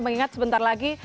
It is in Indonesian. mengingat sebentar lagi